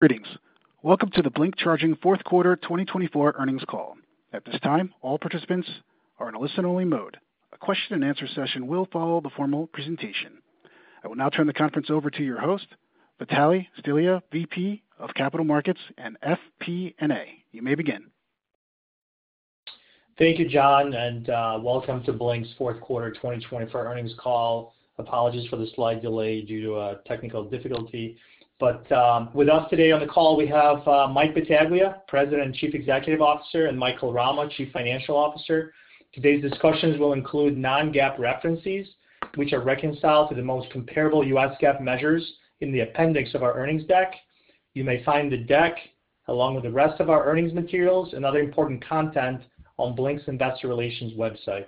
Greetings. Welcome to the Blink Charging Quarter 2024 earnings call. At this time, all participants are in a listen-only mode. A question-and-answer session will follow the formal presentation. I will now turn the conference over to your host, Vitalie Stelea, VP of Capital Markets and FP&A. You may begin. Thank you, John, and welcome to Blink's Quarter 2024 earnings call. Apologies for the slight delay due to technical difficulty. With us today on the call, we have Mike Battaglia, President and Chief Executive Officer, and Michael Rama, Chief Financial Officer. Today's discussions will include non-GAAP references, which are reconciled to the most comparable U.S. GAAP measures in the appendix of our earnings deck. You may find the deck, along with the rest of our earnings materials and other important content, on Blink's Investor Relations website.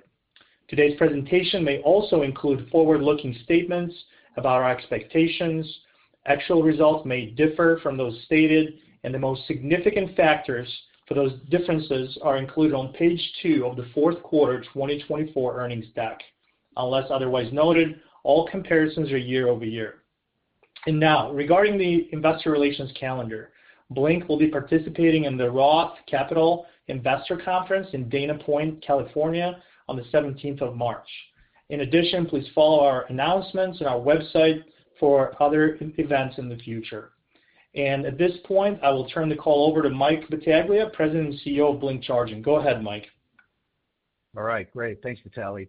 Today's presentation may also include forward-looking statements about our expectations. Actual results may differ from those stated, and the most significant factors for those differences are included on page two of the Quarter 2024 earnings deck. Unless otherwise noted, all comparisons are year-over-year. Now, regarding the Investor Relations calendar, Blink will be participating in the Roth Capital Investor Conference in Dana Point, California, on the 17th of March. In addition, please follow our announcements and our website for other events in the future. At this point, I will turn the call over to Mike Battaglia, President and CEO of Blink Charging. Go ahead, Mike. All right. Great. Thanks, Vitalie.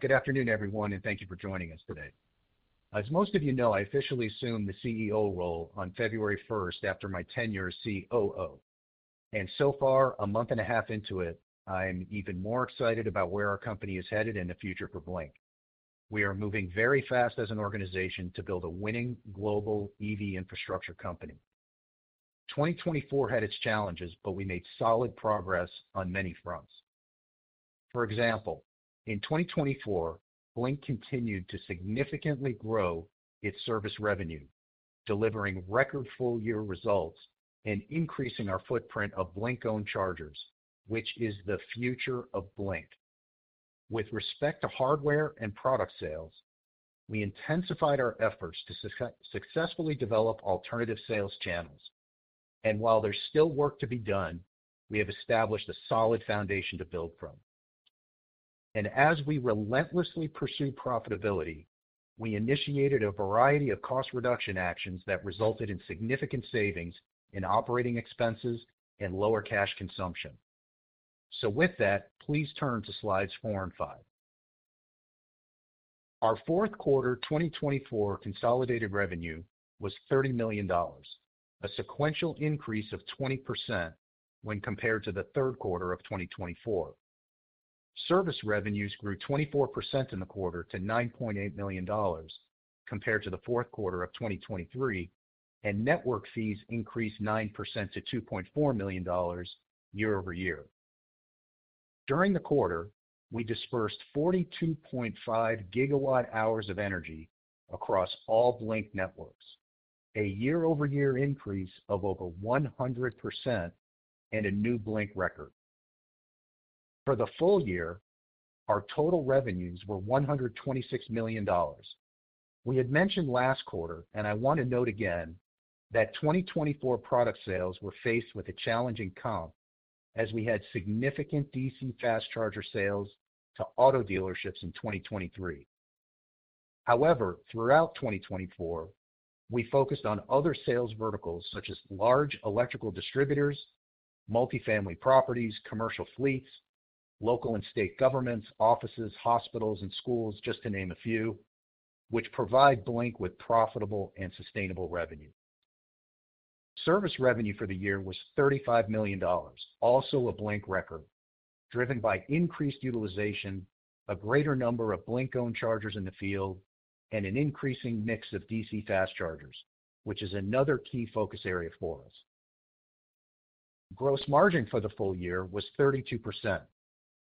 Good afternoon, everyone, and thank you for joining us today. As most of you know, I officially assumed the CEO role on February 1 after my tenure as COO. So far, a month and a half into it, I am even more excited about where our company is headed and the future for Blink. We are moving very fast as an organization to build a winning global EV infrastructure company. 2024 had its challenges, but we made solid progress on many fronts. For example, in 2024, Blink continued to significantly grow its service revenue, delivering record full-year results and increasing our footprint of Blink-owned chargers, which is the future of Blink. With respect to hardware and product sales, we intensified our efforts to successfully develop alternative sales channels. While there's still work to be done, we have established a solid foundation to build from. As we relentlessly pursue profitability, we initiated a variety of cost reduction actions that resulted in significant savings in operating expenses and lower cash consumption. Please turn to slides four and five. Our Quarter 2024 consolidated revenue was $30 million, a sequential increase of 20% when compared to the Quarter of 2024. Service revenues grew 24% in the quarter to $9.8 million compared to the Quarter of 2023, and network fees increased 9% to $2.4 million year-over-year. During the quarter, we dispersed 42.5 gigawatt-hours of energy across all Blink networks, a year-over-year increase of over 100% and a new Blink record. For the full year, our total revenues were $126 million. We had mentioned last quarter, and I want to note again that 2024 product sales were faced with a challenging comp as we had significant DC fast charger sales to auto dealerships in 2023. However, throughout 2024, we focused on other sales verticals such as large electrical distributors, multifamily properties, commercial fleets, local and state governments, offices, hospitals, and schools, just to name a few, which provide Blink with profitable and sustainable revenue. Service revenue for the year was $35 million, also a Blink record, driven by increased utilization, a greater number of Blink-owned chargers in the field, and an increasing mix of DC fast chargers, which is another key focus area for us. Gross margin for the full year was 32%,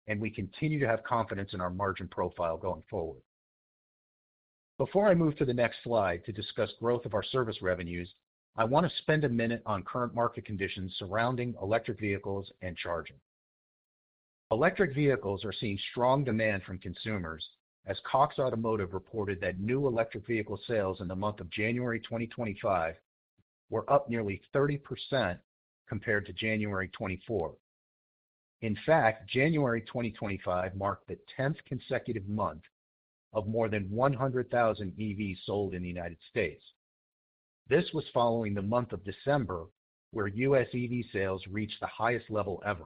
and we continue to have confidence in our margin profile going forward. Before I move to the next slide to discuss growth of our service revenues, I want to spend a minute on current market conditions surrounding electric vehicles and charging. Electric vehicles are seeing strong demand from consumers as Cox Automotive reported that new electric vehicle sales in the month of January 2025 were up nearly 30% compared to January 2024. In fact, January 2025 marked the 10th consecutive month of more than 100,000 EVs sold in the United States. This was following the month of December, where US EV sales reached the highest level ever.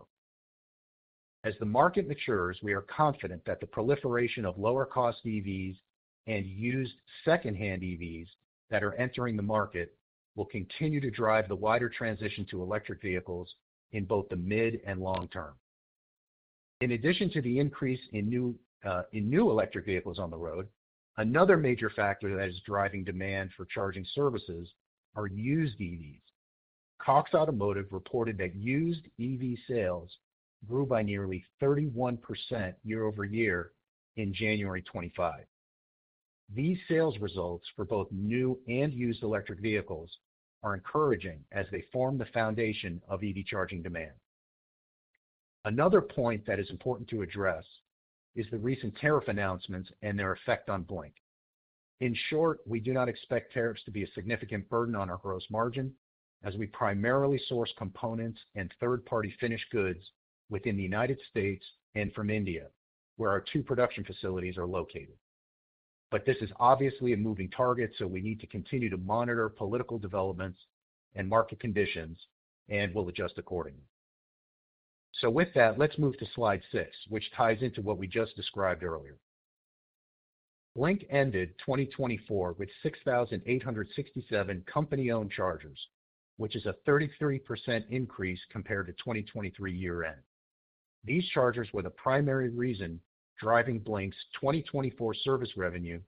As the market matures, we are confident that the proliferation of lower-cost EVs and used secondhand EVs that are entering the market will continue to drive the wider transition to electric vehicles in both the mid and long term. In addition to the increase in new electric vehicles on the road, another major factor that is driving demand for charging services are used EVs. Cox Automotive reported that used EV sales grew by nearly 31% year-over-year in January 2025. These sales results for both new and used electric vehicles are encouraging as they form the foundation of EV charging demand. Another point that is important to address is the recent tariff announcements and their effect on Blink. In short, we do not expect tariffs to be a significant burden on our gross margin as we primarily source components and third-party finished goods within the United States and from India, where our two production facilities are located. This is obviously a moving target, so we need to continue to monitor political developments and market conditions and will adjust accordingly. With that, let's move to slide six, which ties into what we just described earlier. Blink ended 2024 with 6,867 company-owned chargers, which is a 33% increase compared to 2023 year-end. These chargers were the primary reason driving Blink's 2024 service revenue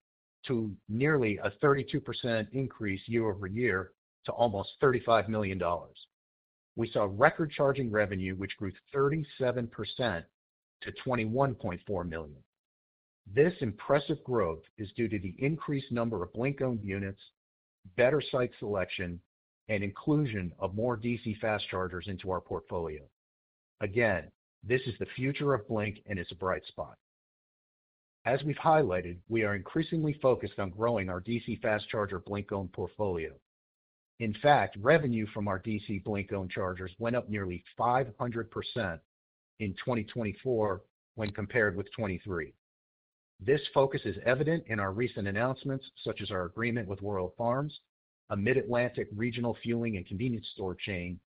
to nearly a 32% increase year-over-year to almost $35 million. We saw record charging revenue, which grew 37% to $21.4 million. This impressive growth is due to the increased number of Blink-owned units, better site selection, and inclusion of more DC fast chargers into our portfolio. Again, this is the future of Blink and its bright spot. As we've highlighted, we are increasingly focused on growing our DC fast charger Blink-owned portfolio. In fact, revenue from our DC Blink-owned chargers went up nearly 500% in 2024 when compared with 2023. This focus is evident in our recent announcements, such as our agreement with Royal Farms, a Mid-Atlantic regional fueling and convenience store chain,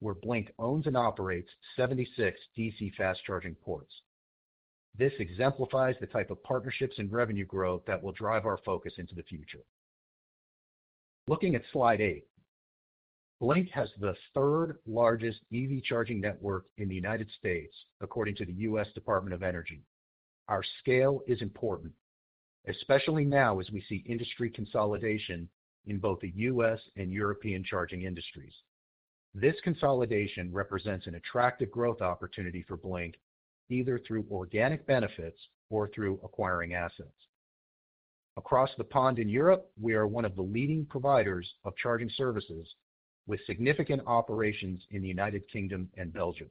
where Blink owns and operates 76 DC fast charging ports. This exemplifies the type of partnerships and revenue growth that will drive our focus into the future. Looking at slide eight, Blink has the third largest EV charging network in the United States, according to the US Department of Energy. Our scale is important, especially now as we see industry consolidation in both the US and European charging industries. This consolidation represents an attractive growth opportunity for Blink, either through organic benefits or through acquiring assets. Across the pond in Europe, we are one of the leading providers of charging services with significant operations in the United Kingdom and Belgium.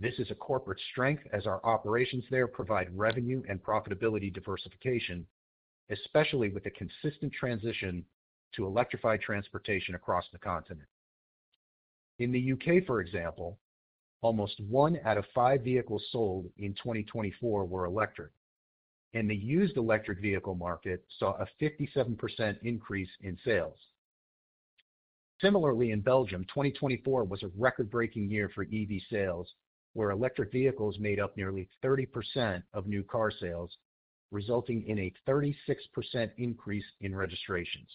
This is a corporate strength as our operations there provide revenue and profitability diversification, especially with the consistent transition to electrified transportation across the continent. In the U.K., for example, almost one out of five vehicles sold in 2024 were electric, and the used electric vehicle market saw a 57% increase in sales. Similarly, in Belgium, 2024 was a record-breaking year for EV sales, where electric vehicles made up nearly 30% of new car sales, resulting in a 36% increase in registrations.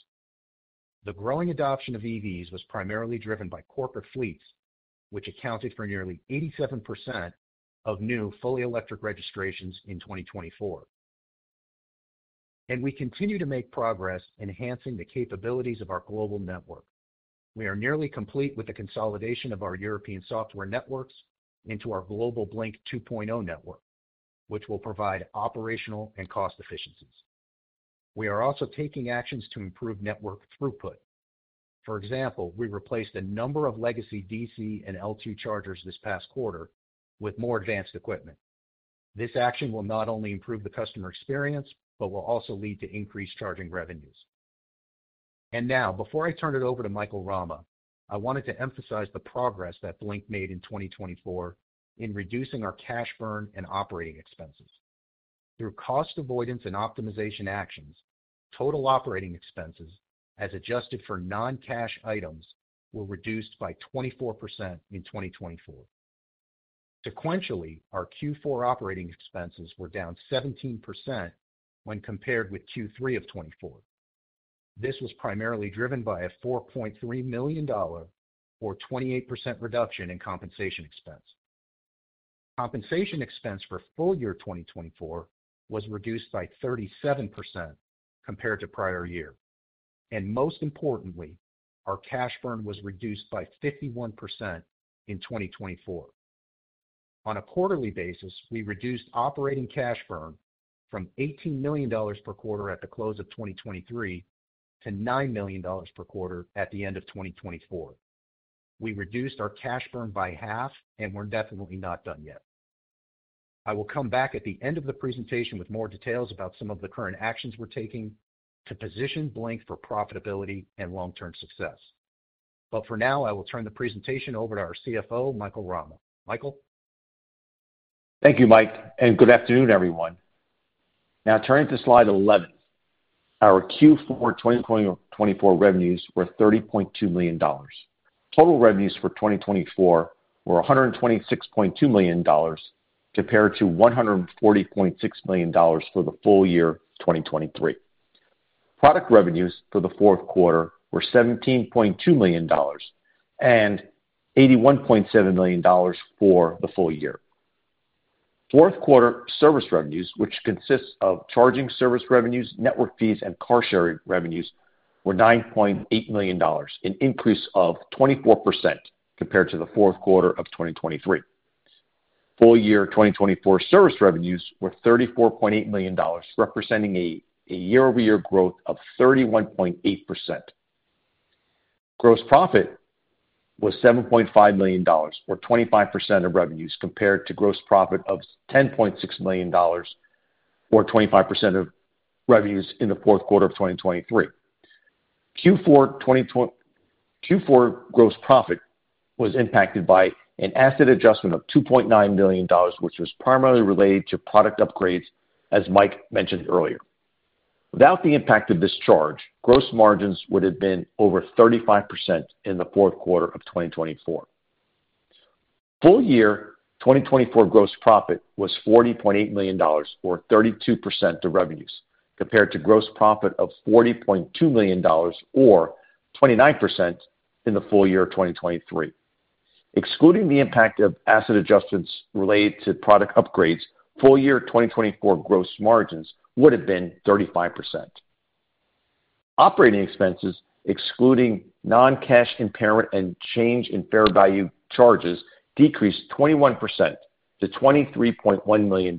The growing adoption of EVs was primarily driven by corporate fleets, which accounted for nearly 87% of new fully electric registrations in 2024. We continue to make progress, enhancing the capabilities of our global network. We are nearly complete with the consolidation of our European software networks into our global Blink 2.0 network, which will provide operational and cost efficiencies. We are also taking actions to improve network throughput. For example, we replaced a number of legacy DC and L2 chargers this past quarter with more advanced equipment. This action will not only improve the customer experience, but will also lead to increased charging revenues. Now, before I turn it over to Michael Rama, I wanted to emphasize the progress that Blink made in 2024 in reducing our cash burn and operating expenses. Through cost avoidance and optimization actions, total operating expenses, as adjusted for non-cash items, were reduced by 24% in 2024. Sequentially, our Q4 operating expenses were down 17% when compared with Q3 of 2024. This was primarily driven by a $4.3 million, or 28% reduction in compensation expense. Compensation expense for full year 2024 was reduced by 37% compared to prior year. Most importantly, our cash burn was reduced by 51% in 2024. On a quarterly basis, we reduced operating cash burn from $18 million per quarter at the close of 2023 to $9 million per quarter at the end of 2024. We reduced our cash burn by half and were definitely not done yet. I will come back at the end of the presentation with more details about some of the current actions we're taking to position Blink for profitability and long-term success. For now, I will turn the presentation over to our CFO, Michael Rama. Michael. Thank you, Mike, and good afternoon, everyone. Now, turning to slide 11, our Q4 2024 revenues were $30.2 million. Total revenues for 2024 were $126.2 million compared to $140.6 million for the full year 2023. Product revenues for the quarter were $17.2 million and $81.7 million for the full year. Quarter four service revenues, which consists of charging service revenues, network fees, and car sharing revenues, were $9.8 million, an increase of 24% compared to the quarter of 2023. Full year 2024 service revenues were $34.8 million, representing a year-over-year growth of 31.8%. Gross profit was $7.5 million, or 25% of revenues, compared to gross profit of $10.6 million, or 25% of revenues in the quarter of 2023. Q4 gross profit was impacted by an asset adjustment of $2.9 million, which was primarily related to product upgrades, as Mike mentioned earlier. Without the impact of this charge, gross margins would have been over 35% in the quarter of 2024. Full year 2024 gross profit was $40.8 million, or 32% of revenues, compared to gross profit of $40.2 million, or 29% in the full year 2023. Excluding the impact of asset adjustments related to product upgrades, full year 2024 gross margins would have been 35%. Operating expenses, excluding non-cash impairment and change in fair value charges, decreased 21% to $23.1 million,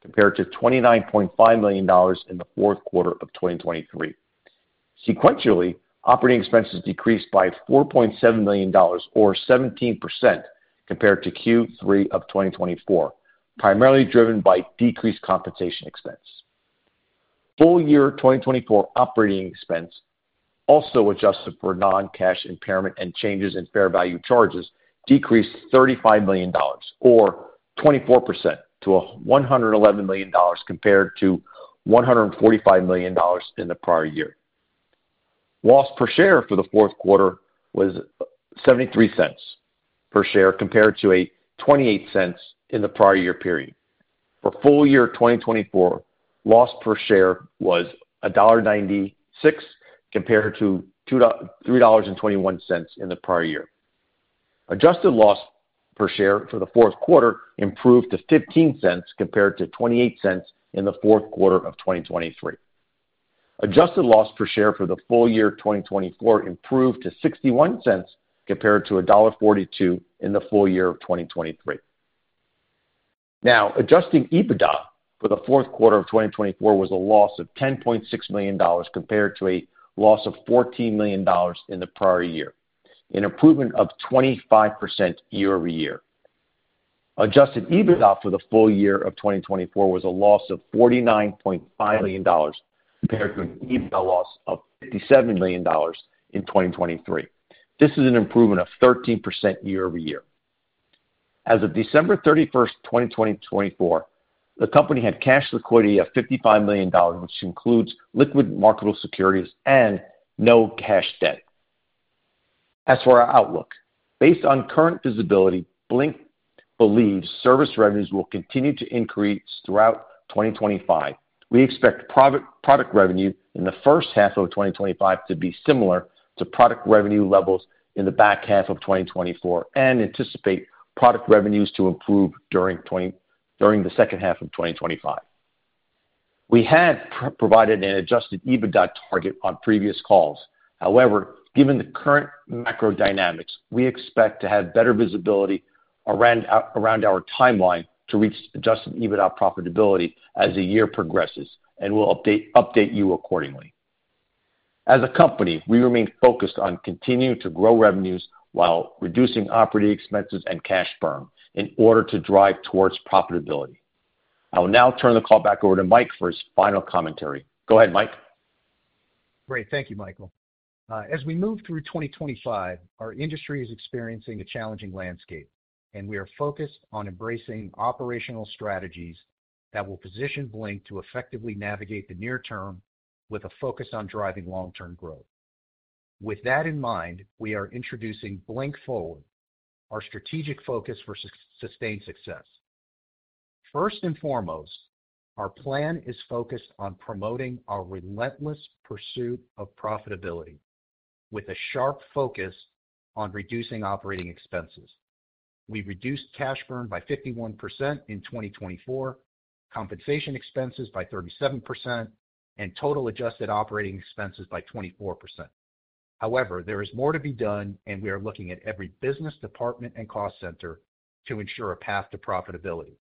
compared to $29.5 million in the quarter of 2023. Sequentially, operating expenses decreased by $4.7 million, or 17%, compared to Q3 of 2024, primarily driven by decreased compensation expense. Full year 2024 operating expense, also adjusted for non-cash impairment and changes in fair value charges, decreased $35 million, or 24%, to $111 million compared to $145 million in the prior year. Loss per share for the quarter was $0.73 per share compared to $0.28 in the prior year period. For full year 2024, loss per share was $1.96 compared to $3.21 in the prior year. Adjusted loss per share for the quarter improved to $0.15 compared to $0.28 in the quarter of 2023. Adjusted loss per share for the full year 2024 improved to $0.61 compared to $1.42 in the full year of 2023. Now, adjusted EBITDA for the quarter of 2024 was a loss of $10.6 million compared to a loss of $14 million in the prior year, an improvement of 25% year-over-year. Adjusted EBITDA for the full year of 2024 was a loss of $49.5 million compared to an EBITDA loss of $57 million in 2023. This is an improvement of 13% year-over-year. As of December 31, 2024, the company had cash liquidity of $55 million, which includes liquid marketable securities and no cash debt. As for our outlook, based on current visibility, Blink believes service revenues will continue to increase throughout 2025. We expect product revenue in the first half of 2025 to be similar to product revenue levels in the back half of 2024 and anticipate product revenues to improve during the second half of 2025. We had provided an adjusted EBITDA target on previous calls. However, given the current macro dynamics, we expect to have better visibility around our timeline to reach adjusted EBITDA profitability as the year progresses, and we'll update you accordingly. As a company, we remain focused on continuing to grow revenues while reducing operating expenses and cash burn in order to drive towards profitability. I will now turn the call back over to Mike for his final commentary. Go ahead, Mike. Great. Thank you, Michael. As we move through 2025, our industry is experiencing a challenging landscape, and we are focused on embracing operational strategies that will position Blink to effectively navigate the near term with a focus on driving long-term growth. With that in mind, we are introducing Blink Forward, our strategic focus for sustained success. First and foremost, our plan is focused on promoting our relentless pursuit of profitability with a sharp focus on reducing operating expenses. We reduced cash burn by 51% in 2024, compensation expenses by 37%, and total adjusted operating expenses by 24%. However, there is more to be done, and we are looking at every business department and cost center to ensure a path to profitability.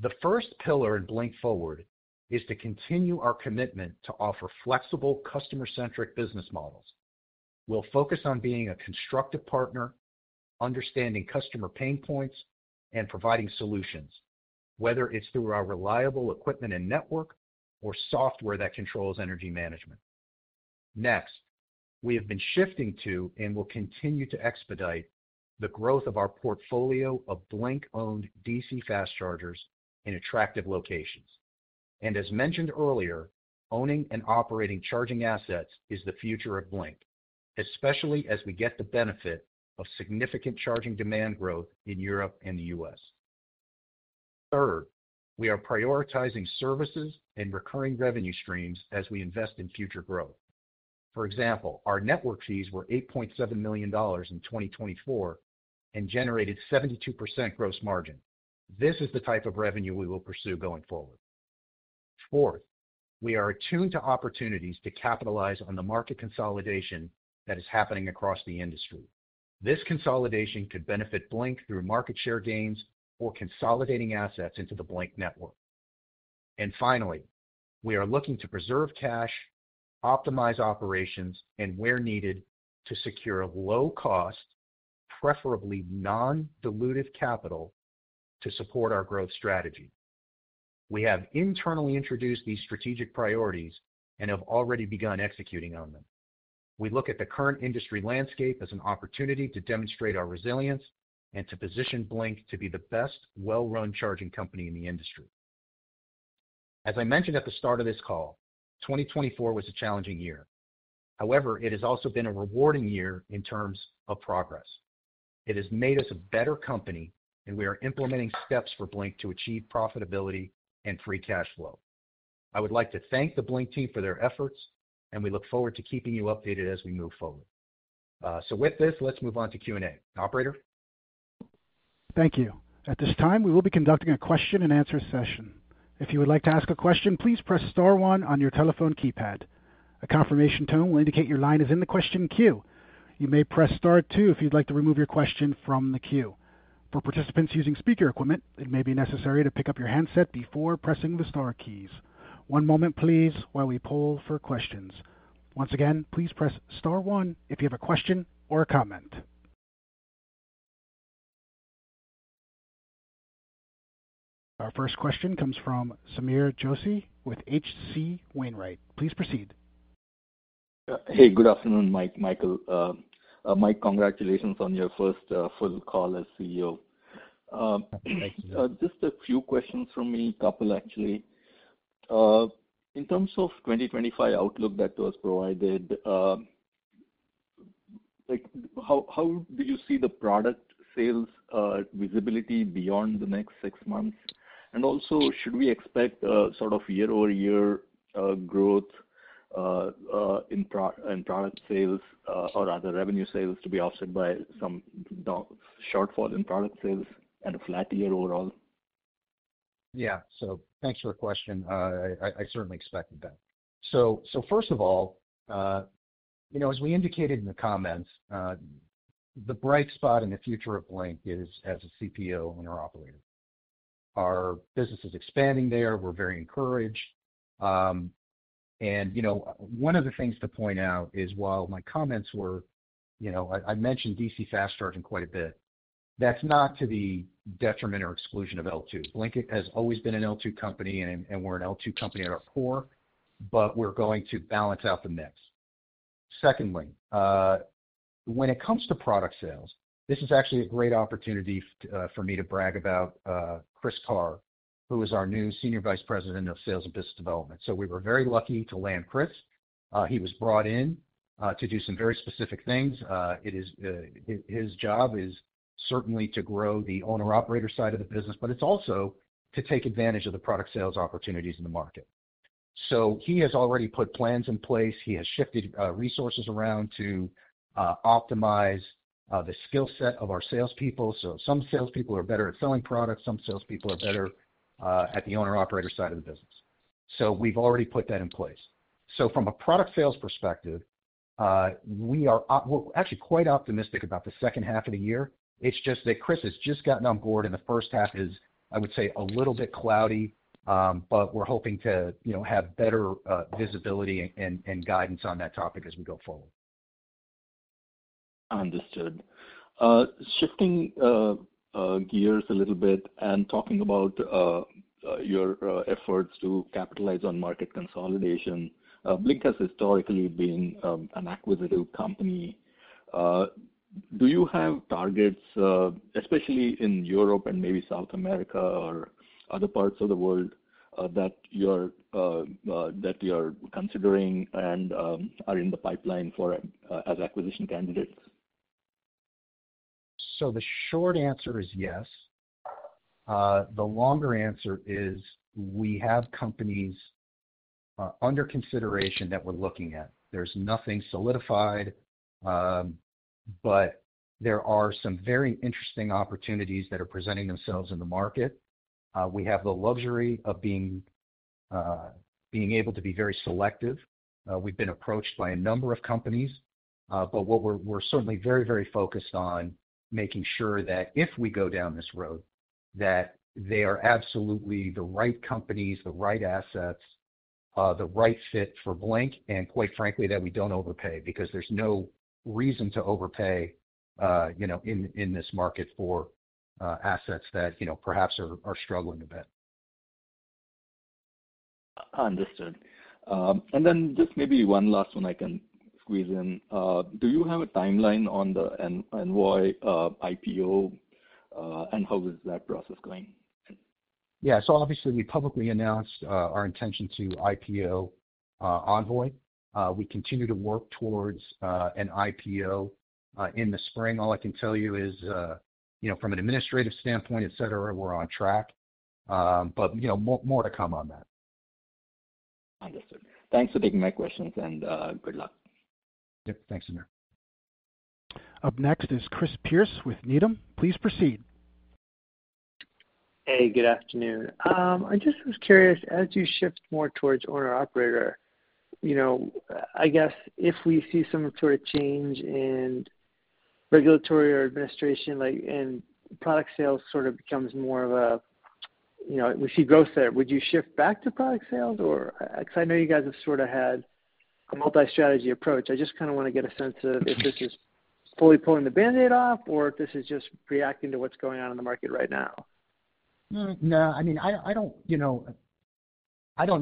The first pillar in Blink Forward is to continue our commitment to offer flexible, customer-centric business models. We'll focus on being a constructive partner, understanding customer pain points, and providing solutions, whether it's through our reliable equipment and network or software that controls energy management. Next, we have been shifting to and will continue to expedite the growth of our portfolio of Blink-owned DC fast chargers in attractive locations. As mentioned earlier, owning and operating charging assets is the future of Blink, especially as we get the benefit of significant charging demand growth in Europe and the US. Third, we are prioritizing services and recurring revenue streams as we invest in future growth. For example, our network fees were $8.7 million in 2024 and generated 72% gross margin. This is the type of revenue we will pursue going forward. Fourth, we are attuned to opportunities to capitalize on the market consolidation that is happening across the industry. This consolidation could benefit Blink through market share gains or consolidating assets into the Blink network. Finally, we are looking to preserve cash, optimize operations, and where needed to secure low-cost, preferably non-dilutive capital to support our growth strategy. We have internally introduced these strategic priorities and have already begun executing on them. We look at the current industry landscape as an opportunity to demonstrate our resilience and to position Blink to be the best well-run charging company in the industry. As I mentioned at the start of this call, 2024 was a challenging year. However, it has also been a rewarding year in terms of progress. It has made us a better company, and we are implementing steps for Blink to achieve profitability and free cash flow. I would like to thank the Blink team for their efforts, and we look forward to keeping you updated as we move forward. With this, let's move on to Q&A. Operator. Thank you. At this time, we will be conducting a question-and-answer session. If you would like to ask a question, please press Star 1 on your telephone keypad. A confirmation tone will indicate your line is in the question queue. You may press Star 2 if you'd like to remove your question from the queue. For participants using speaker equipment, it may be necessary to pick up your handset before pressing the Star keys. One moment, please, while we poll for questions. Once again, please press Star 1 if you have a question or a comment. Our first question comes from Sameer Joshi with H.C. Wainwright. Please proceed. Hey, good afternoon, Michael. Mike, congratulations on your first full call as CEO. Thank you. Just a few questions from me, a couple actually. In terms of 2025 outlook that was provided, how do you see the product sales visibility beyond the next six months? Also, should we expect sort of year-over-year growth in product sales or other revenue sales to be offset by some shortfall in product sales and a flat year overall? Yeah. Thanks for the question. I certainly expected that. First of all, as we indicated in the comments, the bright spot in the future of Blink is as a CPO and our operator. Our business is expanding there. We're very encouraged. One of the things to point out is, while my comments were I mentioned DC fast charging quite a bit, that's not to the detriment or exclusion of L2. Blink has always been an L2 company, and we're an L2 company at our core, but we're going to balance out the mix. Secondly, when it comes to product sales, this is actually a great opportunity for me to brag about Chris Karr, who is our new Senior Vice President of Sales and Business Development. We were very lucky to land Chris. He was brought in to do some very specific things. His job is certainly to grow the owner-operator side of the business, but it's also to take advantage of the product sales opportunities in the market. He has already put plans in place. He has shifted resources around to optimize the skill set of our salespeople. Some salespeople are better at selling products. Some salespeople are better at the owner-operator side of the business. We have already put that in place. From a product sales perspective, we are actually quite optimistic about the second half of the year. It's just that Chris has just gotten on board, and the first half is, I would say, a little bit cloudy, but we're hoping to have better visibility and guidance on that topic as we go forward. Understood. Shifting gears a little bit and talking about your efforts to capitalize on market consolidation, Blink has historically been an acquisitive company. Do you have targets, especially in Europe and maybe South America or other parts of the world, that you're considering and are in the pipeline as acquisition candidates? The short answer is yes. The longer answer is we have companies under consideration that we're looking at. There's nothing solidified, but there are some very interesting opportunities that are presenting themselves in the market. We have the luxury of being able to be very selective. We've been approached by a number of companies, but we're certainly very, very focused on making sure that if we go down this road, that they are absolutely the right companies, the right assets, the right fit for Blink, and quite frankly, that we don't overpay because there's no reason to overpay in this market for assets that perhaps are struggling a bit. Understood. Just maybe one last one I can squeeze in. Do you have a timeline on the Envoy IPO, and how is that process going? Yeah. Obviously, we publicly announced our intention to IPO Envoy. We continue to work towards an IPO in the spring. All I can tell you is, from an administrative standpoint, etc., we're on track, but more to come on that. Understood. Thanks for taking my questions, and good luck. Yep. Thanks, Sameer. Up next is Chris Pierce with Needham. Please proceed. Hey, good afternoon. I just was curious, as you shift more towards owner-operator, I guess if we see some sort of change in regulatory or administration and product sales sort of becomes more of a we see growth there, would you shift back to product sales? Because I know you guys have sort of had a multi-strategy approach. I just kind of want to get a sense of if this is fully pulling the Band-Aid off or if this is just reacting to what's going on in the market right now. No, I mean, I don't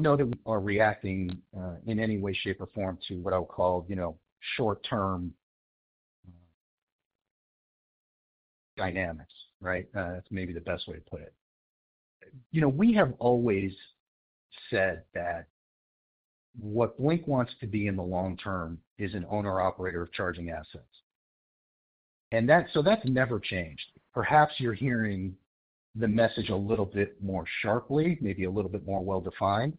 know that we are reacting in any way, shape, or form to what I'll call short-term dynamics, right? That's maybe the best way to put it. We have always said that what Blink wants to be in the long term is an owner-operator of charging assets. That's never changed. Perhaps you're hearing the message a little bit more sharply, maybe a little bit more well-defined,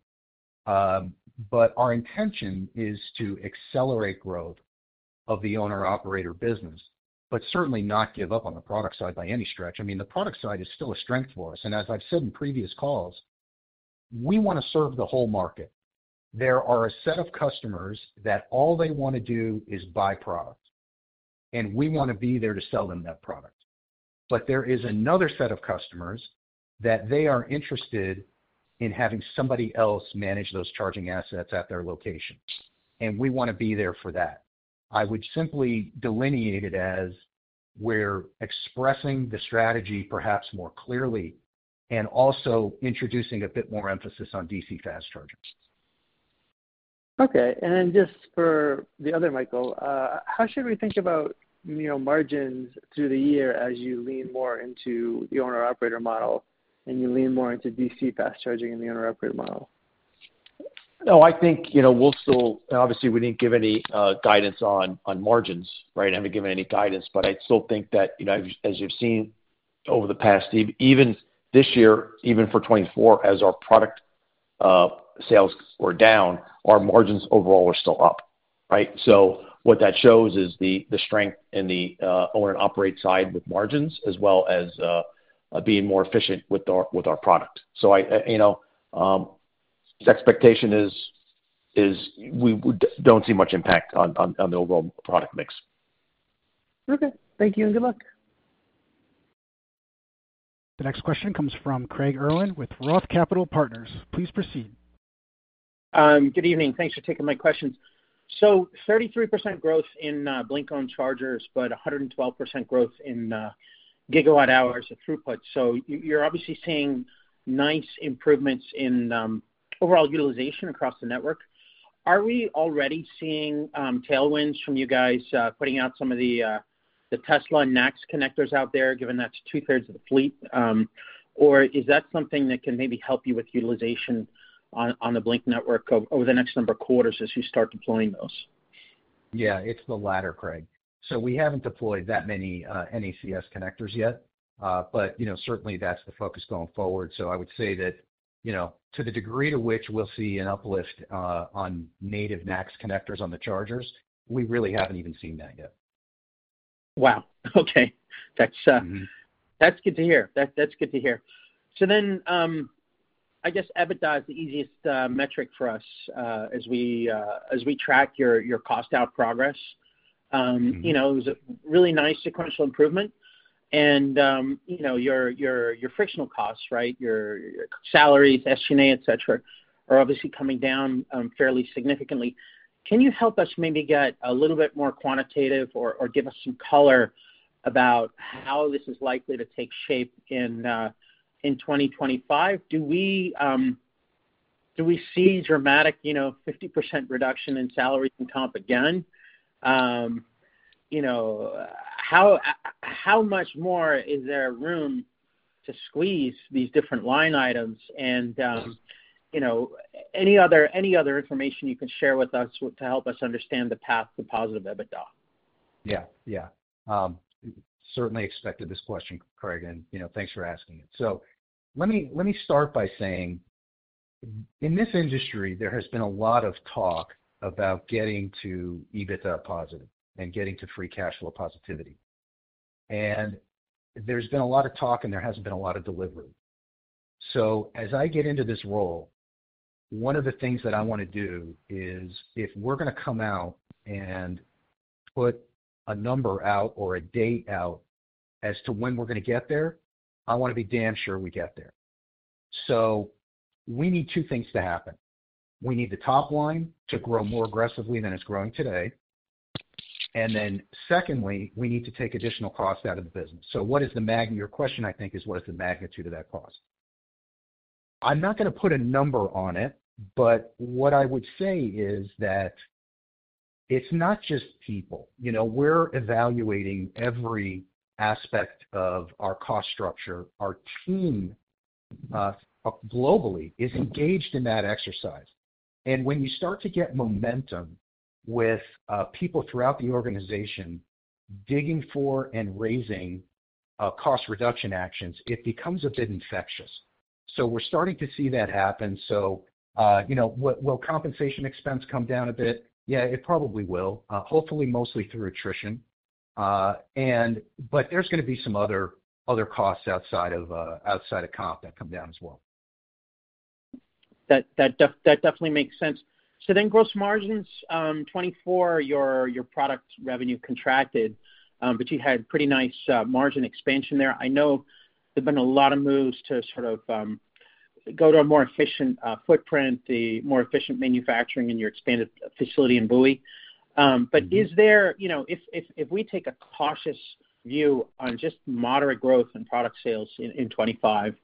but our intention is to accelerate growth of the owner-operator business, certainly not give up on the product side by any stretch. I mean, the product side is still a strength for us. As I've said in previous calls, we want to serve the whole market. There are a set of customers that all they want to do is buy product, and we want to be there to sell them that product. There is another set of customers that they are interested in having somebody else manage those charging assets at their location. We want to be there for that. I would simply delineate it as we're expressing the strategy perhaps more clearly and also introducing a bit more emphasis on DC fast charging. Okay. Just for the other, Michael, how should we think about margins through the year as you lean more into the owner-operator model and you lean more into DC fast charging and the owner-operator model? Oh, I think we'll still obviously, we didn't give any guidance on margins, right? I haven't given any guidance, but I still think that, as you've seen over the past, even this year, even for 2024, as our product sales were down, our margins overall were still up, right? What that shows is the strength in the owner-operator side with margins as well as being more efficient with our product. The expectation is we don't see much impact on the overall product mix. Okay. Thank you and good luck. The next question comes from Craig Irwin with Roth Capital Partners. Please proceed. Good evening. Thanks for taking my questions. Thirty-three percent growth in Blink-owned chargers, but 112% growth in gigawatt hours of throughput. You are obviously seeing nice improvements in overall utilization across the network. Are we already seeing tailwinds from you guys putting out some of the Tesla and NACS connectors out there, given that is two-thirds of the fleet? Or is that something that can maybe help you with utilization on the Blink network over the next number of quarters as you start deploying those? Yeah, it's the latter, Craig. We haven't deployed that many NACS connectors yet, but certainly that's the focus going forward. I would say that to the degree to which we'll see an uplift on native NACS connectors on the chargers, we really haven't even seen that yet. Wow. Okay. That's good to hear. That's good to hear. I guess EBITDA is the easiest metric for us as we track your cost-out progress. It was a really nice sequential improvement. Your frictional costs, right, your salaries, SGNA, etc., are obviously coming down fairly significantly. Can you help us maybe get a little bit more quantitative or give us some color about how this is likely to take shape in 2025? Do we see a dramatic 50% reduction in salaries and comp again? How much more is there room to squeeze these different line items? Any other information you can share with us to help us understand the path to positive EBITDA? Yeah. Yeah. Certainly expected this question, Craig, and thanks for asking it. Let me start by saying, in this industry, there has been a lot of talk about getting to EBITDA positive and getting to free cash flow positivity. There has been a lot of talk, and there has not been a lot of delivery. As I get into this role, one of the things that I want to do is if we are going to come out and put a number out or a date out as to when we are going to get there, I want to be damn sure we get there. We need two things to happen. We need the top line to grow more aggressively than it is growing today. Secondly, we need to take additional cost out of the business. What is your question, I think, is what is the magnitude of that cost? I'm not going to put a number on it, but what I would say is that it's not just people. We're evaluating every aspect of our cost structure. Our team globally is engaged in that exercise. When you start to get momentum with people throughout the organization digging for and raising cost reduction actions, it becomes a bit infectious. We're starting to see that happen. Will compensation expense come down a bit? Yeah, it probably will, hopefully mostly through attrition. There are going to be some other costs outside of comp that come down as well. That definitely makes sense. Gross margins, 2024, your product revenue contracted, but you had pretty nice margin expansion there. I know there have been a lot of moves to sort of go to a more efficient footprint, the more efficient manufacturing in your expanded facility in Bowie. If we take a cautious view on just moderate growth in product sales in 2025,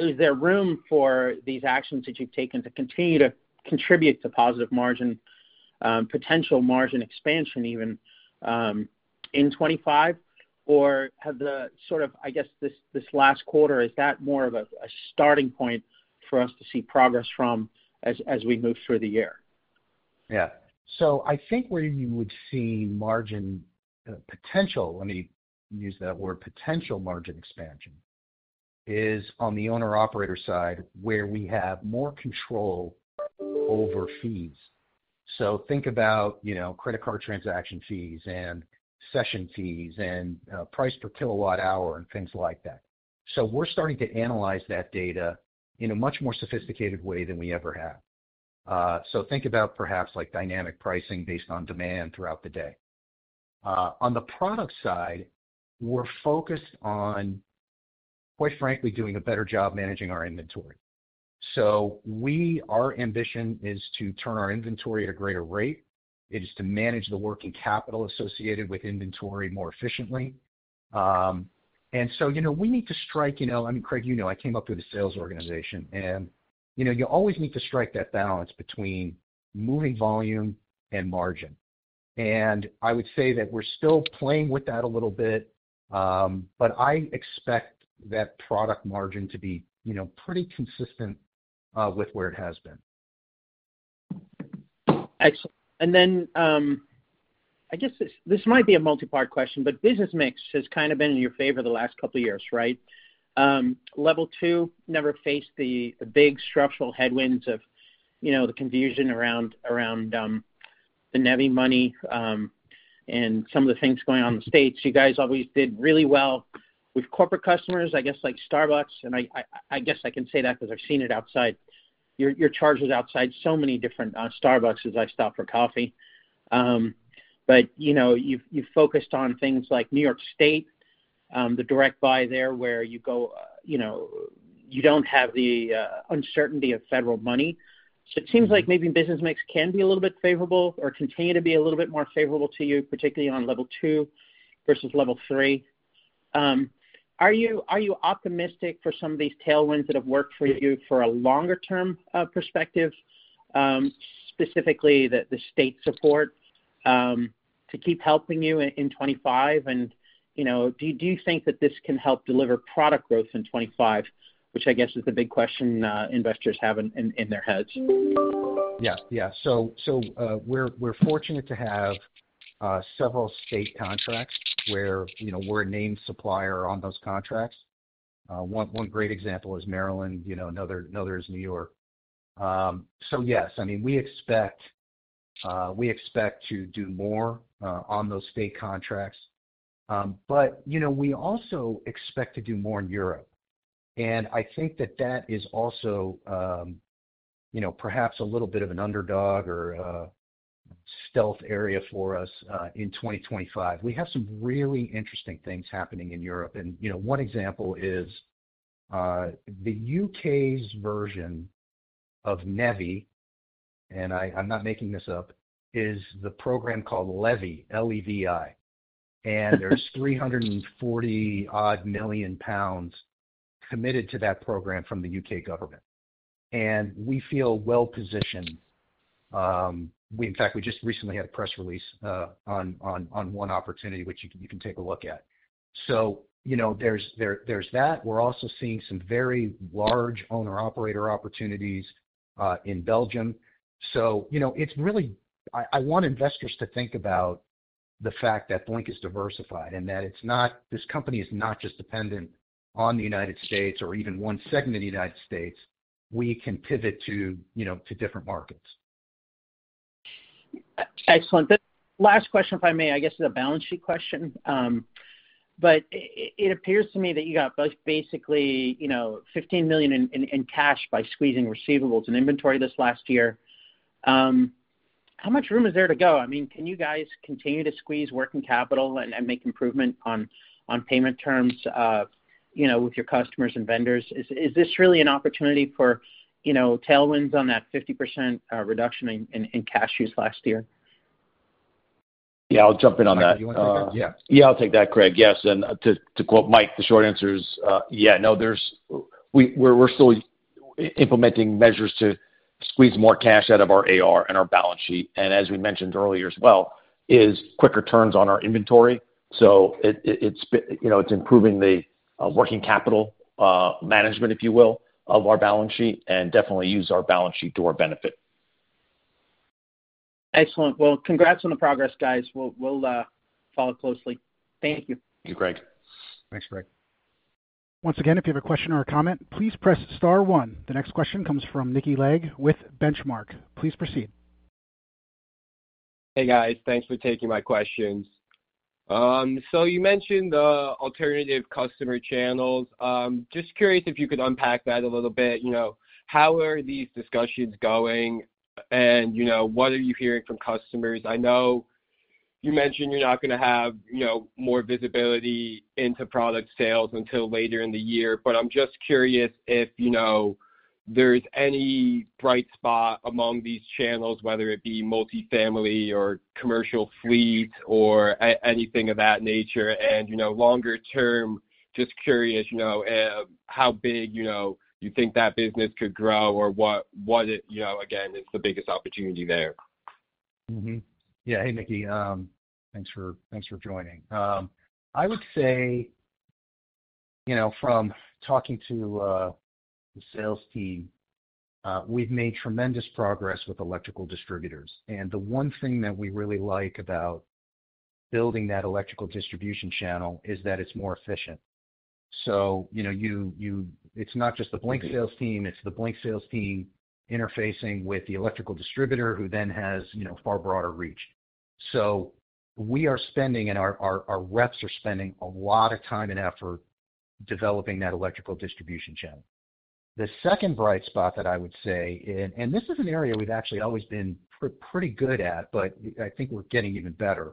is there room for these actions that you have taken to continue to contribute to positive margin, potential margin expansion even in 2025? Have the sort of, I guess, this last quarter, is that more of a starting point for us to see progress from as we move through the year? Yeah. I think where you would see margin potential, let me use that word, potential margin expansion, is on the owner-operator side where we have more control over fees. Think about credit card transaction fees and session fees and price per kilowatt hour and things like that. We're starting to analyze that data in a much more sophisticated way than we ever have. Think about perhaps dynamic pricing based on demand throughout the day. On the product side, we're focused on, quite frankly, doing a better job managing our inventory. Our ambition is to turn our inventory at a greater rate. It is to manage the working capital associated with inventory more efficiently. We need to strike, I mean, Craig, you know I came up with a sales organization, and you always need to strike that balance between moving volume and margin. I would say that we're still playing with that a little bit, but I expect that product margin to be pretty consistent with where it has been. Excellent. I guess this might be a multi-part question, but business mix has kind of been in your favor the last couple of years, right? Level two never faced the big structural headwinds of the confusion around the NEVI money and some of the things going on in the States. You guys always did really well with corporate customers, I guess, like Starbucks. I guess I can say that because I've seen it outside. Your chargers outside so many different Starbucks as I stop for coffee. You've focused on things like New York State, the direct buy there where you go you don't have the uncertainty of federal money. It seems like maybe business mix can be a little bit favorable or continue to be a little bit more favorable to you, particularly on level two versus level three. Are you optimistic for some of these tailwinds that have worked for you for a longer-term perspective, specifically the state support to keep helping you in 2025? Do you think that this can help deliver product growth in 2025, which I guess is the big question investors have in their heads? Yeah. Yeah. So we're fortunate to have several state contracts where we're a named supplier on those contracts. One great example is Maryland. Another is New York. Yes, I mean, we expect to do more on those state contracts. We also expect to do more in Europe. I think that that is also perhaps a little bit of an underdog or a stealth area for us in 2025. We have some really interesting things happening in Europe. One example is the U.K.'s version of NEVI, and I'm not making this up, is the program called LEVI, L-E-V-I. There's 340 million pounds-odd committed to that program from the U.K. government. We feel well-positioned. In fact, we just recently had a press release on one opportunity, which you can take a look at. There's that. We're also seeing some very large owner-operator opportunities in Belgium. I want investors to think about the fact that Blink is diversified and that this company is not just dependent on the United States or even one segment of the United States. We can pivot to different markets. Excellent. Last question, if I may. I guess it's a balance sheet question. It appears to me that you got basically $15 million in cash by squeezing receivables and inventory this last year. How much room is there to go? I mean, can you guys continue to squeeze working capital and make improvement on payment terms with your customers and vendors? Is this really an opportunity for tailwinds on that 50% reduction in cash use last year? Yeah, I'll jump in on that. Yeah, I'll take that, Craig. Yes. To quote Mike, the short answer is, yeah, no, we're still implementing measures to squeeze more cash out of our AR and our balance sheet. As we mentioned earlier as well, it's quicker turns on our inventory. It's improving the working capital management, if you will, of our balance sheet and definitely use our balance sheet to our benefit. Excellent. Congrats on the progress, guys. We'll follow closely. Thank you. Thank you, Craig. Thanks, Craig. Once again, if you have a question or a comment, please press star one. The next question comes from Mickey Legg with Benchmark. Please proceed. Hey, guys. Thanks for taking my questions. You mentioned alternative customer channels. Just curious if you could unpack that a little bit. How are these discussions going? What are you hearing from customers? I know you mentioned you're not going to have more visibility into product sales until later in the year, but I'm just curious if there's any bright spot among these channels, whether it be multifamily or commercial fleet or anything of that nature. Longer term, just curious how big you think that business could grow or what, again, is the biggest opportunity there. Yeah. Hey, Mickey. Thanks for joining. I would say from talking to the sales team, we've made tremendous progress with electrical distributors. The one thing that we really like about building that electrical distribution channel is that it's more efficient. It's not just the Blink sales team. It's the Blink sales team interfacing with the electrical distributor who then has far broader reach. We are spending, and our reps are spending a lot of time and effort developing that electrical distribution channel. The second bright spot that I would say, and this is an area we've actually always been pretty good at, but I think we're getting even better,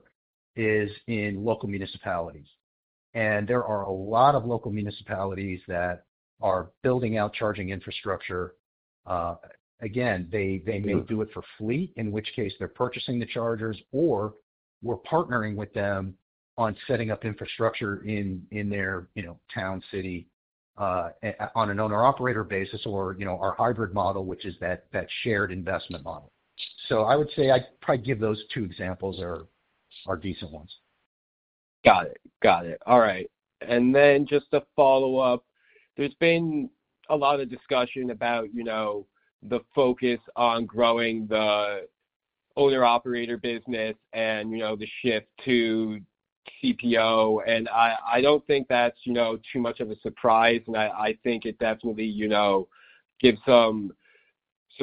is in local municipalities. There are a lot of local municipalities that are building out charging infrastructure. Again, they may do it for fleet, in which case they're purchasing the chargers, or we're partnering with them on setting up infrastructure in their town, city, on an owner-operator basis or our hybrid model, which is that shared investment model. I would say I'd probably give those two examples are decent ones. Got it. Got it. All right. Just to follow up, there's been a lot of discussion about the focus on growing the owner-operator business and the shift to CPO. I don't think that's too much of a surprise. I think it definitely gives some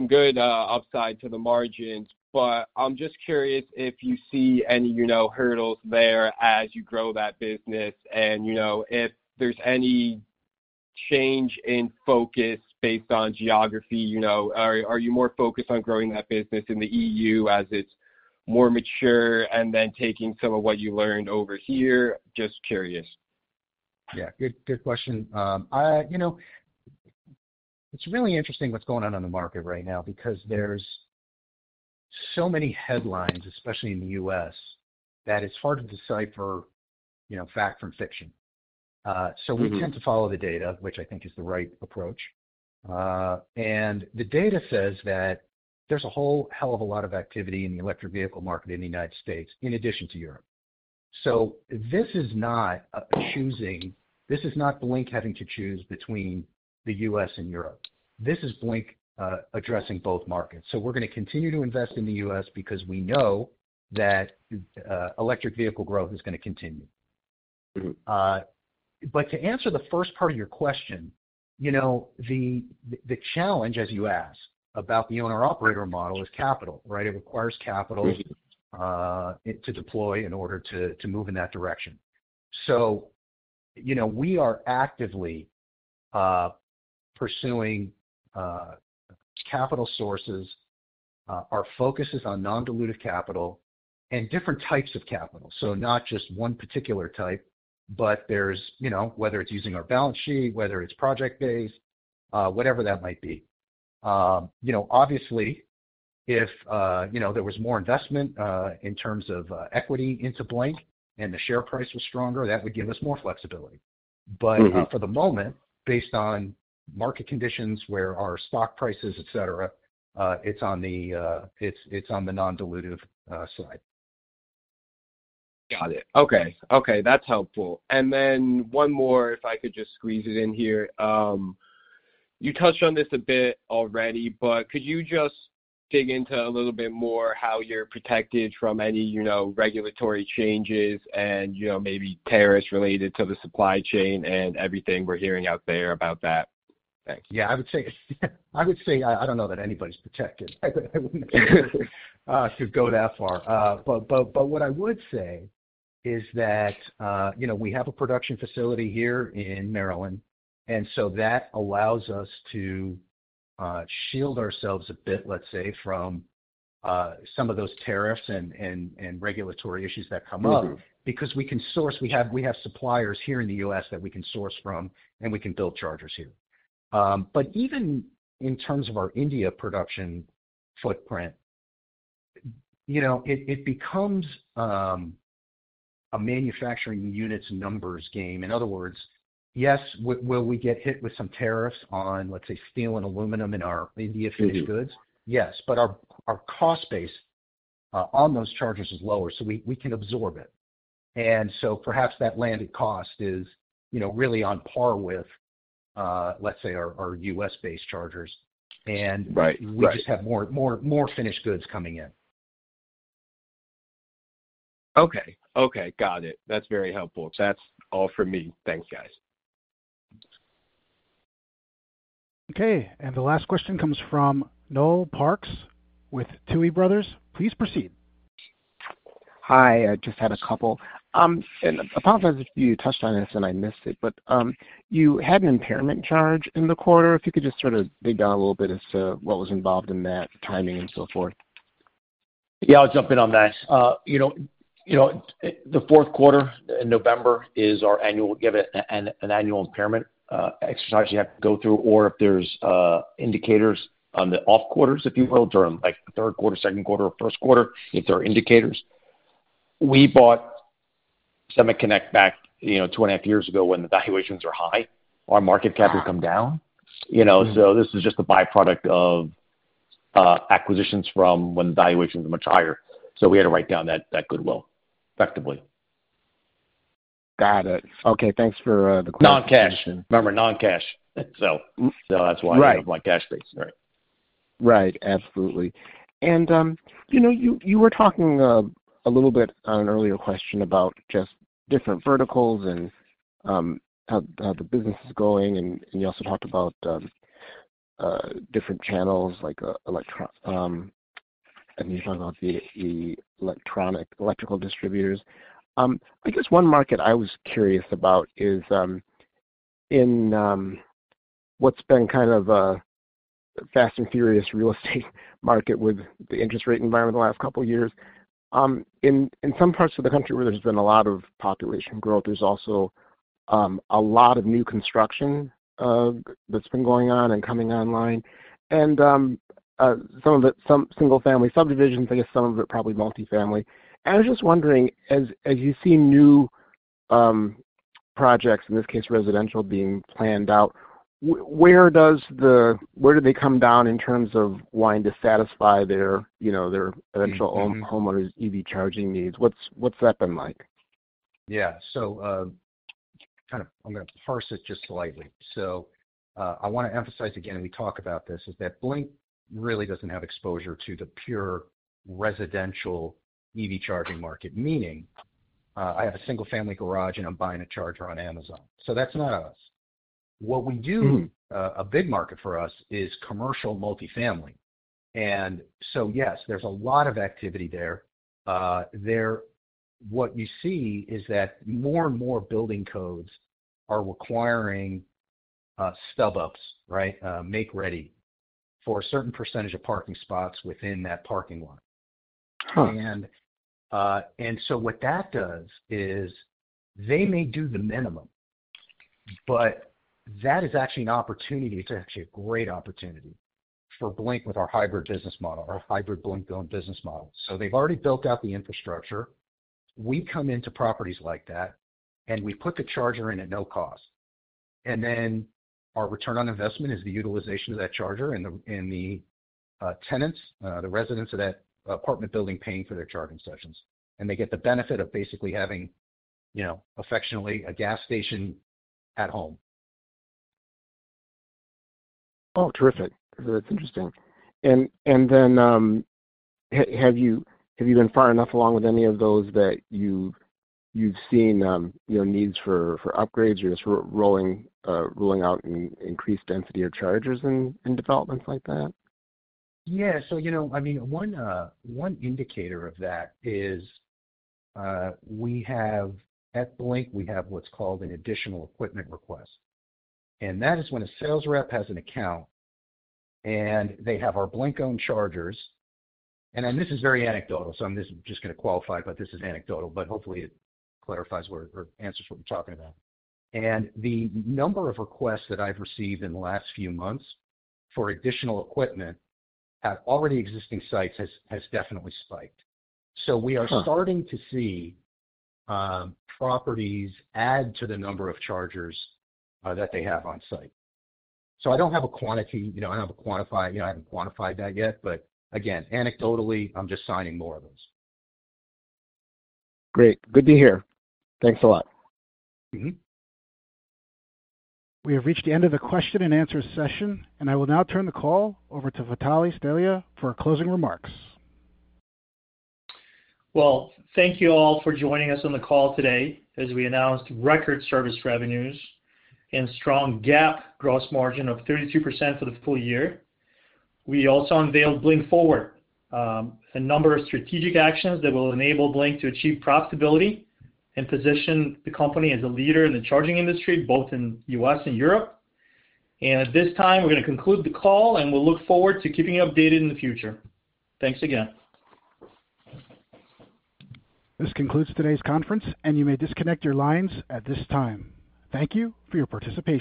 good upside to the margins. I'm just curious if you see any hurdles there as you grow that business and if there's any change in focus based on geography. Are you more focused on growing that business in the EU as it's more mature and then taking some of what you learned over here? Just curious. Yeah. Good question. It's really interesting what's going on in the market right now because there's so many headlines, especially in the U.S., that it's hard to decipher fact from fiction. We tend to follow the data, which I think is the right approach. The data says that there's a whole hell of a lot of activity in the electric vehicle market in the United States in addition to Europe. This is not a choosing; this is not Blink having to choose between the U.S. and Europe. This is Blink addressing both markets. We're going to continue to invest in the U.S. because we know that electric vehicle growth is going to continue. To answer the first part of your question, the challenge, as you asked, about the owner-operator model is capital, right? It requires capital to deploy in order to move in that direction. We are actively pursuing capital sources. Our focus is on non-dilutive capital and different types of capital. Not just one particular type, but whether it's using our balance sheet, whether it's project-based, whatever that might be. Obviously, if there was more investment in terms of equity into Blink and the share price was stronger, that would give us more flexibility. For the moment, based on market conditions where our stock price is, etc., it's on the non-dilutive side. Got it. Okay. That's helpful. One more, if I could just squeeze it in here. You touched on this a bit already, but could you just dig into a little bit more how you're protected from any regulatory changes and maybe tariffs related to the supply chain and everything we're hearing out there about that? Thanks. Yeah. I would say I don't know that anybody's protected. I wouldn't go that far. What I would say is that we have a production facility here in Maryland, and that allows us to shield ourselves a bit, let's say, from some of those tariffs and regulatory issues that come up because we can source, we have suppliers here in the US that we can source from, and we can build chargers here. Even in terms of our India production footprint, it becomes a manufacturing units numbers game. In other words, yes, will we get hit with some tariffs on, let's say, steel and aluminum in our India-finished goods? Yes. Our cost base on those chargers is lower, so we can absorb it. Perhaps that landed cost is really on par with, let's say, our US-based chargers. We just have more finished goods coming in. Okay. Okay. Got it. That's very helpful. That's all for me. Thanks, guys. Okay. The last question comes from Noel Parks with Tuohy Brothers. Please proceed. Hi. I just had a couple. I apologize if you touched on this and I missed it, but you had an impairment charge in the quarter. If you could just sort of dig down a little bit as to what was involved in that, timing and so forth. Yeah, I'll jump in on that. The fourth quarter in November is our annual, you have an annual impairment exercise you have to go through, or if there's indicators on the off quarters, if you will, during the third quarter, second quarter, or first quarter, if there are indicators. We bought SemaConnect back two and a half years ago when the valuations were high. Our market cap had come down. This is just a byproduct of acquisitions from when the valuations were much higher. We had to write down that goodwill effectively. Got it. Okay. Thanks for the question. Non-cash. Remember, non-cash. That is why I love my cash base. Right. Right. Absolutely. You were talking a little bit on an earlier question about just different verticals and how the business is going. You also talked about different channels, like you talked about the electrical distributors. I guess one market I was curious about is in what's been kind of a fast and furious real estate market with the interest rate environment the last couple of years. In some parts of the country where there's been a lot of population growth, there's also a lot of new construction that's been going on and coming online. Some of the single-family subdivisions, I guess some of it probably multifamily. I was just wondering, as you see new projects, in this case, residential being planned out, where do they come down in terms of wanting to satisfy their potential homeowners' EV charging needs? What's that been like? Yeah. I'm going to parse it just slightly. I want to emphasize again, and we talk about this, is that Blink really doesn't have exposure to the pure residential EV charging market, meaning I have a single-family garage and I'm buying a charger on Amazon. That's not us. What we do, a big market for us, is commercial multifamily. Yes, there's a lot of activity there. What you see is that more and more building codes are requiring stub-ups, right, make-ready for a certain percentage of parking spots within that parking lot. What that does is they may do the minimum, but that is actually an opportunity. It's actually a great opportunity for Blink with our hybrid business model, our hybrid Blink-owned business model. They've already built out the infrastructure. We come into properties like that, and we put the charger in at no cost. Our return on investment is the utilization of that charger and the tenants, the residents of that apartment building paying for their charging sessions. They get the benefit of basically having, affectionately, a gas station at home. Oh, terrific. That's interesting. Have you been far enough along with any of those that you've seen needs for upgrades or just rolling out increased density or chargers in developments like that? Yeah. I mean, one indicator of that is we have at Blink, we have what's called an additional equipment request. That is when a sales rep has an account and they have our Blink-owned chargers. This is very anecdotal. I'm just going to qualify that this is anecdotal, but hopefully it clarifies or answers what we're talking about. The number of requests that I've received in the last few months for additional equipment at already existing sites has definitely spiked. We are starting to see properties add to the number of chargers that they have on-site. I don't have a quantity; I haven't quantified that yet. Again, anecdotally, I'm just signing more of those. Great. Good to hear. Thanks a lot. We have reached the end of the question and answer session, and I will now turn the call over to Vitalie Stelea for closing remarks. Thank you all for joining us on the call today. As we announced record service revenues and strong GAAP gross margin of 32% for the full year, we also unveiled Blink Forward, a number of strategic actions that will enable Blink to achieve profitability and position the company as a leader in the charging industry, both in the U.S. and Europe. At this time, we're going to conclude the call, and we'll look forward to keeping you updated in the future. Thanks again. This concludes today's conference, and you may disconnect your lines at this time. Thank you for your participation.